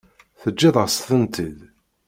Teǧǧiḍ-as-tent-id.